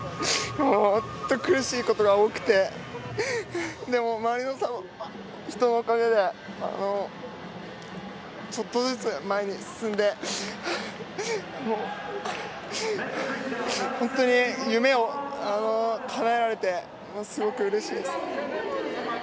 本当に苦しいことが多くて、周りの人のおかげで、ちょっとずつ前に進んで、本当に夢をかなえられて、すごくうれしいです。